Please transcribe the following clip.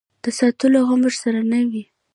د ساتلو غم ورسره نه وي.